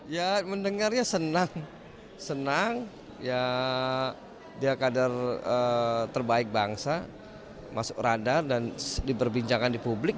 ya mendengarnya senang senang ya dia kader terbaik bangsa masuk radar dan diperbincangkan di publik